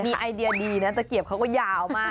มีไอเดียดีนะตะเกียบเขาก็ยาวมาก